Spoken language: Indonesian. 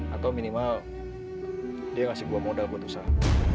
atau minimal dia ngasih buah modal buat usaha